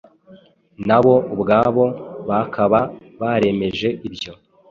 nabo ubwabo bakaba baremeje ibyo